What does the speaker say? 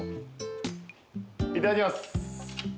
いただきます。